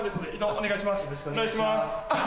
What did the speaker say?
お願いしますあっ。